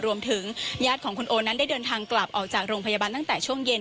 รวมถึงญาติของคุณโอนั้นได้เดินทางกลับออกจากโรงพยาบาลตั้งแต่ช่วงเย็น